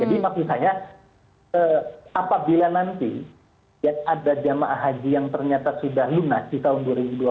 jadi maksud saya apabila nanti ada jamaah haji yang ternyata sudah lunas di tahun dua ribu dua puluh